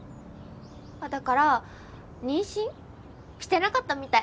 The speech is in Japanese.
だから妊娠してなかったみたい。